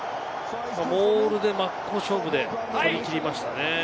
モールで真っ向勝負で取り切りましたね。